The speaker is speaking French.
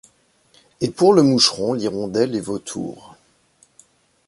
Et pour le moucheron l’hirondelle est vautour.